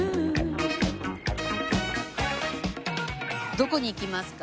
どこに行きますか？